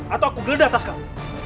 atau aku geledah atas kamu